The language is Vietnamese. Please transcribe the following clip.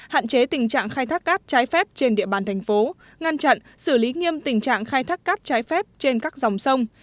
hạn chế tình trạng khai thác cát trái phép trên địa bàn thành phố ngăn chặn xử lý nghiêm tình trạng khai thác cát trái phép trên các dòng sông